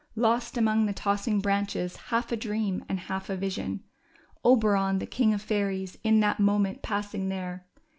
Lost among the tossing branches, half a dream and half a vision, Oberon, the king of fairies, in that moment passing there